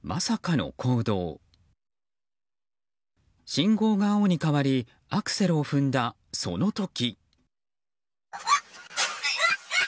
信号が青に変わりアクセルを踏んだその時。